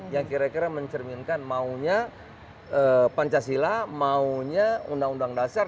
yang kira kira mencerminkan maunya pancasila maunya undang undang dasar